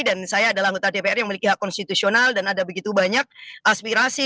dan saya adalah anggota dpr yang memiliki hak konstitusional dan ada begitu banyak aspirasi